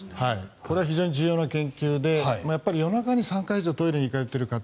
これは非常に重要な研究で夜中に３回以上トイレに行かれている方